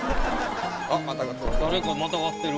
あまたがってる。